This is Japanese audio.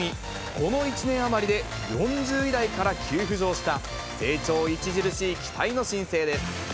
この１年余りで４０位台から急浮上した成長著しい期待の新星です。